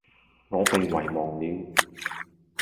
我被遺忘了